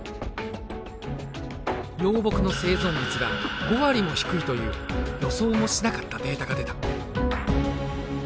幼木の生存率が５割も低いという予想もしなかったデータが出た。